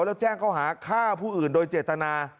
แล้วแจ้งเขาหาฆ่าผู้อื่นโดยเจตนา